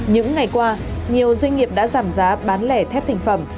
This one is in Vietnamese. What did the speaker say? những ngày qua nhiều doanh nghiệp đã giảm giá bán lẻ thép thành phẩm